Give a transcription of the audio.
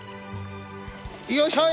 よいしょい！